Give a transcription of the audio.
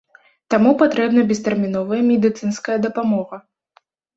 Таму патрэбна без тэрміновая медыцынская дапамога.